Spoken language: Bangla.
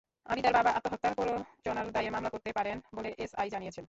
আবিদার বাবা আত্মহত্যার প্ররোচনার দায়ে মামলা করতে পারেন বলে এসআই জানিয়েছেন।